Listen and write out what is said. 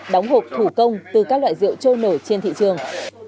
đóng hộp thủ công từ các loại rượu trôi nổi trên thị trường